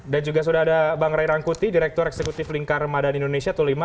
dan juga sudah ada bang ray rangkuti direktur eksekutif lingkar madan indonesia tulima